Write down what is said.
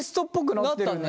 なったね。